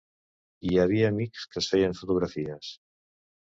Hi havia amics que es feien fotografies.